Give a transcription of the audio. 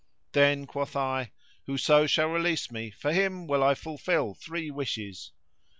Then quoth I, "Whoso shall release me, for him will I fulfil three wishes."